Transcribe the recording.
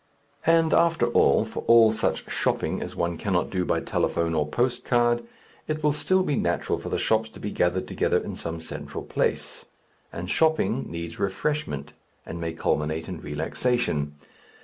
And, after all, for all such "shopping" as one cannot do by telephone or postcard, it will still be natural for the shops to be gathered together in some central place. And "shopping" needs refreshment, and may culminate in relaxation.